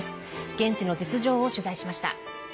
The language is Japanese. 現地の実情を取材しました。